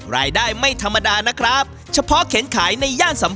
รายได้ไม่ธรรมดานะครับเฉพาะเข็นขายในย่านสัมเพ้ง